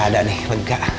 aman udah gak ada nih